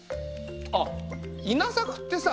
あっ稲作ってさ